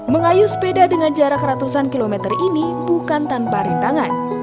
mengayuh sepeda dengan jarak ratusan kilometer ini bukan tanpa rintangan